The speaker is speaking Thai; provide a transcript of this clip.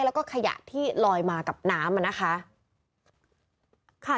และก็ขยะที่ลอยมากับน้ำ